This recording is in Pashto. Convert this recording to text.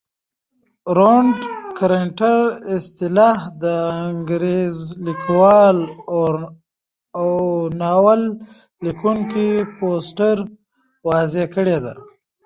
رونډ کرکټراصطلاح انکرېرلیکوال اوناول لیکوونکي فوسټر واضع کړه.